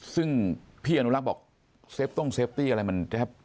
ซึ่งพี่อนุรักษ์บอกเซฟตรงเซฟตี้อะไรมันแทบ